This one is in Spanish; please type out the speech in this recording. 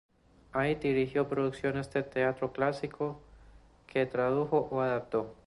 Allí dirigió producciones de teatro clásico, que tradujo o adaptó.